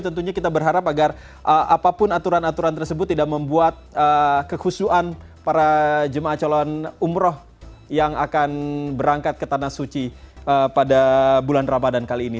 tentunya kita berharap agar apapun aturan aturan tersebut tidak membuat kekhusuan para jemaah calon umroh yang akan berangkat ke tanah suci pada bulan ramadan kali ini